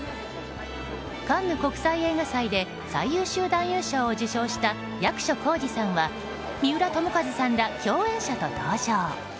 カンヌ国際映画祭で最優秀男優賞を受賞した役所広司さんは、三浦友和さんら共演者と登場。